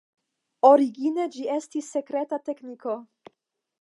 Origine ĝi estis sekreta tekniko.